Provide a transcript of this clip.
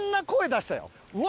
「うわ！」